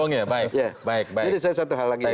jadi saya satu hal lagi ya